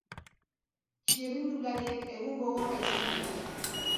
Txirrindulariek egun gogorra izan dute.